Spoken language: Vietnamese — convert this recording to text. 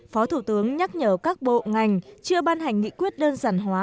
phó thủ tướng nhắc nhở các bộ ngành chưa ban hành nghị quyết đơn giản hóa